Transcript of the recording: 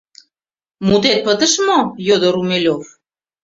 — Мутет пытыш мо? — йодо Румелёв.